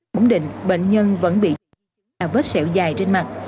bỗng định bệnh nhân vẫn bị chạy và vết sẹo dài trên mặt